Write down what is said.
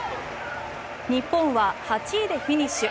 日本は８位でフィニッシュ。